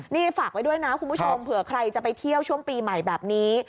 นี่ฝากไว้ด้วยนะคุณผู้ชมเผื่อใครจะไปเที่ยวช่วงปีใหม่แบบนี้